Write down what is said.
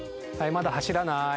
まだ走らない。